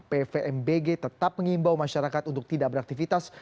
pvmbg tetap mengimbau masyarakat untuk tidak beraktivitas